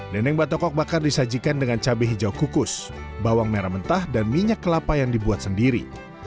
dendeng batokok bakar disajikan dengan cabai hijau kukus bawang merah mentah dan minyak kelapa yang dibuat sendiri